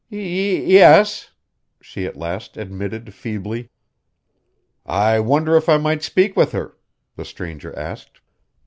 "Y e s," she at last admitted feebly. "I wonder if I might speak with her," the stranger asked.